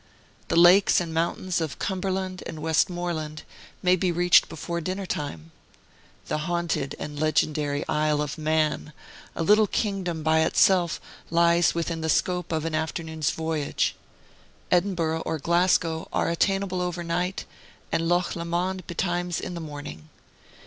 The lakes and mountains of Cumberland and Westmoreland may be reached before dinner time. The haunted and legendary Isle of Man, a little kingdom by itself, lies within the scope of an afternoon's voyage. Edinburgh or Glasgow are attainable over night, and Loch Lomond betimes in the morning.